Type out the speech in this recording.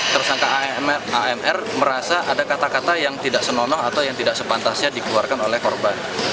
tersangka amr merasa ada kata kata yang tidak senonoh atau yang tidak sepantasnya dikeluarkan oleh korban